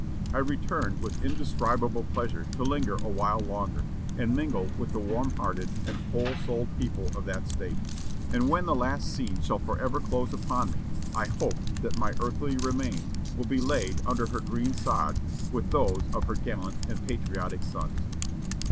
I return with indescribable pleasure to linger a while longer, and mingle with the warm hearted and whole souled people of that State; and, when the last scene shall forever close upon me, I hope that my earthly remains will be laid under her green sod with those of her gallant and patriotic sons."